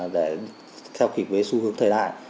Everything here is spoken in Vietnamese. để theo kịch với xu hướng thời đại